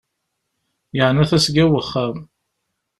Yeɛna tasga n uxxam.